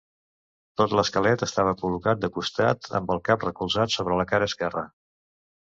Tot l’esquelet estava col·locat de costat, amb el cap recolzat sobre la cara esquerra.